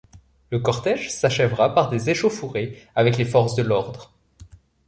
Le cortège s'achèvera par des échauffourées avec les forces de l'ordre.